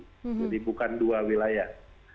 jadi bukan dua wilayah